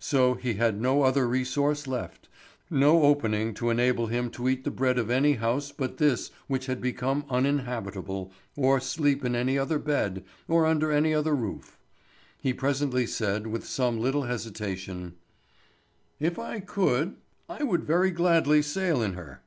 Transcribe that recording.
So he had no other resource left, no opening to enable him to eat the bread of any house but this which had become uninhabitable, or sleep in any other bed, or under any other roof. He presently said, with some little hesitation: "If I could, I would very gladly sail in her."